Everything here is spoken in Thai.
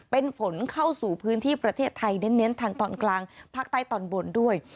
เป็นฝนเข้าสู่พื้นที่ประเทศไทยเน้นทางตอนกลางภาคใต้ตอนบนด้วย